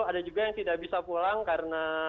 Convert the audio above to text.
ada juga yang tidak bisa pulang karena